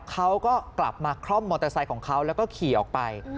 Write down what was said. เขาก็กลับมาคล่อมมอเตอร์ไซค์ของเขาแล้วก็ขี่ออกไป